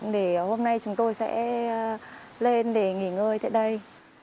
để hôm nay chúng tôi sẽ lên để nghỉ ngơi tại đây